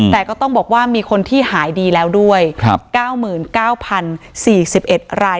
แต่ก็ต้องบอกว่ามีคนที่หายดีแล้วด้วย๙๙๐๔๑ราย